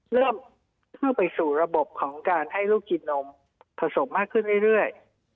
เริ่มเข้าไปสู่ระบบของการให้ลูกกินนมผสมมากขึ้นเรื่อย